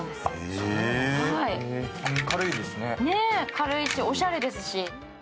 軽いし、おしゃれですし。